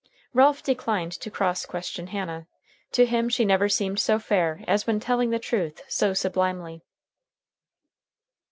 Ralph declined to cross question Hannah. To him she never seemed so fair as when telling the truth so sublimely.